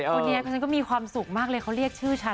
คนนี้ฉันก็มีความสุขมากเลยเขาเรียกชื่อฉัน